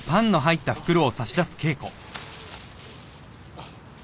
あっ。